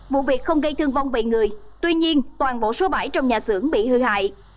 vụ việc không gây thương vong về người tuy nhiên toàn bộ số bảy trong nhà xưởng bị hư hại